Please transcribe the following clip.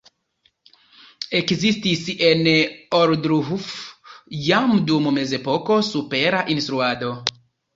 Ekzistis en Ohrdruf jam dum Mezepoko supera instruado.